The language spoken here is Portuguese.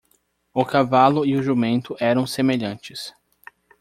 O cavalo e o jumento eram semelhantes.